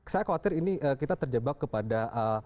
saya khawatir ini kita terjebak kepada